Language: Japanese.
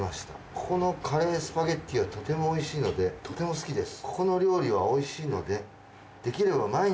ここのカレースパゲッティはとってもおいしいのでとてもすきです」。